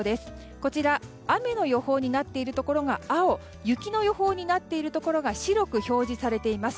こちら雨の予報になっているところが青雪の予報になっているところが白く表示されています。